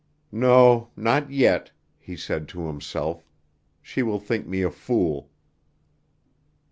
"No, not yet," he said to himself, "she will think me a fool."